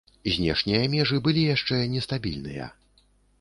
Знешнія межы яшчэ былі нестабільныя.